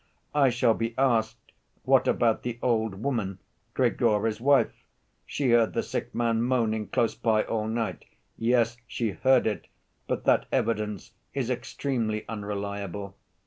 "I shall be asked, 'What about the old woman, Grigory's wife? She heard the sick man moaning close by, all night.' Yes, she heard it, but that evidence is extremely unreliable.